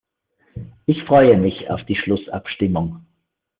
Ich freue mich auf die Schlussabstimmung.